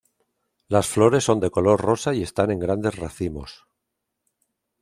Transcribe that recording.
Las flores son de color rosa y están en grandes racimos.